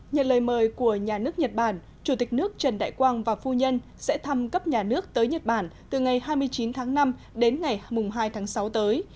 nhật lời mời của nhà nước nhật bản chủ tịch nước trần đại quang và phu nhân sẽ thăm cấp nhà nước tới nhật bản từ ngày hai mươi chín tháng năm đến ngày hai tháng sáu tới